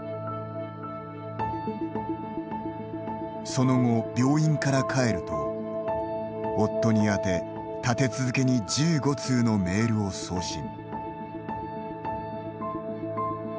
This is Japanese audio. その後、病院から帰ると夫に宛て、立て続けに１５通のメールを送信。